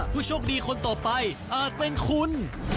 ผู้โชคดีคนต่อไปอาจเป็นคุณ